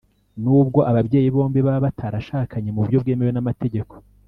n’ubwo ababyeyi bombi baba batarashakanye mu buryo bwemewe n’amategeko.